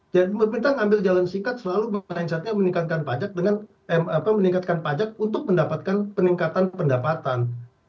dan pemerintah ngambil jalan singkat selalu mindset nya meningkatkan pajak untuk mendapatkan peningkatan pendapatan